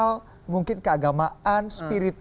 tapi secara kultural mungkin keagamaan spiritual